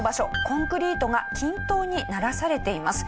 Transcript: コンクリートが均等にならされています。